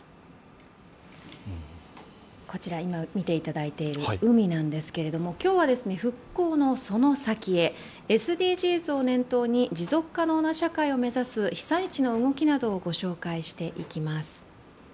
今見ていただいている海なんですけれども、今日は復興のその先へ、ＳＤＧｓを念頭に持続可能な社会を目指す被災地の動きなどをご紹介していきます。